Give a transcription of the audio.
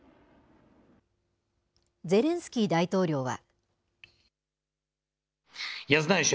ゼレンスキー大統領は。